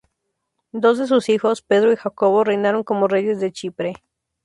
Dos de sus hijos, Pedro y Jacobo reinaron como reyes de Chipre.